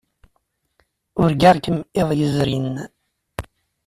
Urgaɣ-kem iḍ yezrin.